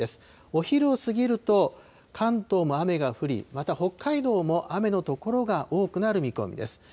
お昼を過ぎると、関東も雨が降り、また北海道も雨の所が多くなる見込みです。